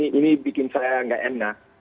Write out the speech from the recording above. ini membuat saya tidak enak